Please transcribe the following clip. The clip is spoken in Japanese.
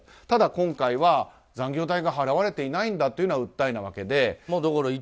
ただ、今回は残業代が払われていないんだという訴えなわけで。